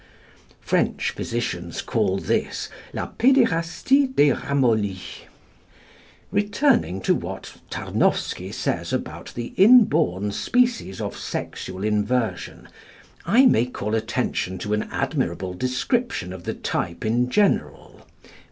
French physicians call this "la pédérastie des ramollis." Returning to what Tarnowsky says about the inborn species of sexual inversion, I may call attention to an admirable description of the type in general (pp.